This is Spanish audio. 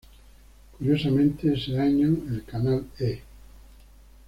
Curiosamente, ese año el canal E!